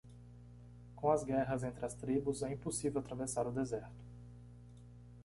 Com as guerras entre as tribos? é impossível atravessar o deserto.